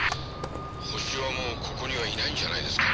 ホシはもうここにはいないんじゃないですか？